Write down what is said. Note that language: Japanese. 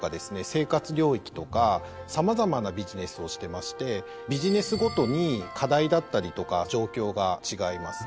生活領域とか様々なビジネスをしてましてビジネスごとに課題だったりとか状況が違います。